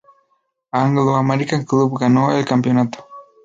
Anglo-American Club ganó el campeonato.